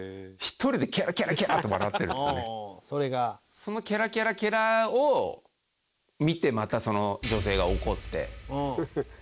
そのケラケラケラを見てまたその女性が怒って。